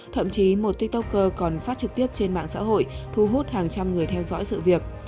thậm chí một tiktoker còn phát trực tiếp trên mạng xã hội thu hút hàng trăm người theo dõi sự việc